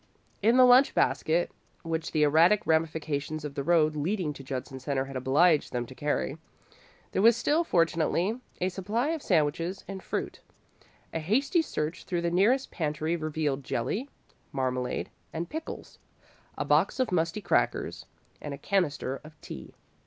In the lunch basket which the erratic ramifications of the road leading to Judson Centre had obliged them to carry, there was still, fortunately, a supply of sandwiches and fruit. A hasty search through the nearest pantry revealed jelly, marmalade, and pickles, a box of musty crackers and a canister of tea.